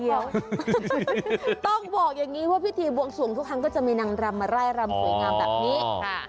เดี๋ยวต้องบอกอย่างนี้ว่าพิธีบวงสวงทุกครั้งก็จะมีนางรำมาไล่รำสวยงามแบบนี้ค่ะ